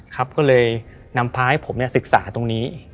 ครับก็เลยนำพาให้ผมศึกษาตรงนี้